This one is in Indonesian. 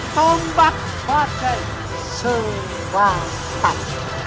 tembak pada sebatas